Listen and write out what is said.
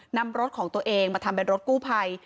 นำรถของตัวเองมาทำเป็นรถกู้ภัย